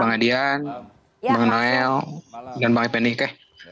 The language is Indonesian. bang adian bang noel dan bang epenike